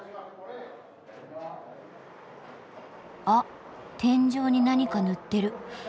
あっ天井に何か塗ってる。